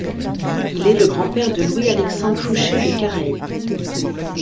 Il est le grand-père de Louis-Alexandre Foucher de Careil.